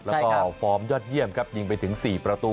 แล้วก็ฟอร์มยอดเยี่ยมครับยิงไปถึง๔ประตู